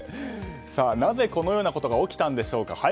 なぜ、このようなことが起きたんでしょうか。